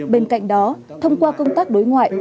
bên cạnh đó thông qua công tác đối ngoại